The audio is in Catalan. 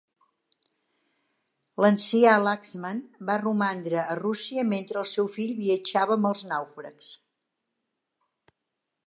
L'ancià Laxmann va romandre a Rússia mentre el seu fill viatjava amb els nàufrags.